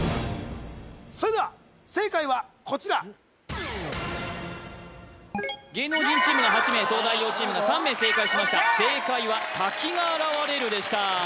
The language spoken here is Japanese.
それでは正解はこちら芸能人チームが８名東大王チームが３名正解しました正解は滝が現れるでした